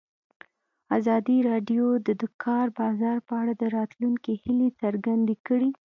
ازادي راډیو د د کار بازار په اړه د راتلونکي هیلې څرګندې کړې.